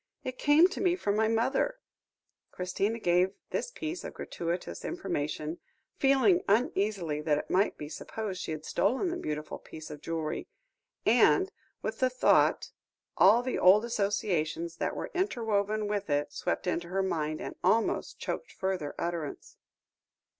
It came to me from my mother." Christina gave this piece of gratuitous information, feeling uneasily that it might be supposed she had stolen the beautiful piece of jewellery; and, with the thought, all the old associations that were interwoven with it swept into her mind, and almost choked further utterance.